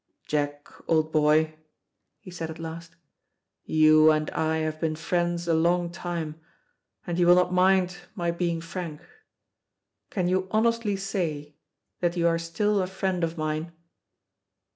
"Jack, old boy," he said at last, "you and I have been friends a long time, and you will not mind my being frank. Can you honestly say that you are still a friend of mine?"